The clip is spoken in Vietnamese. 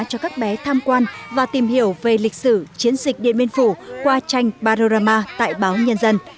cho các bé tham quan và tìm hiểu về lịch sử chiến dịch điện biên phủ qua tranh barorama tại báo nhân dân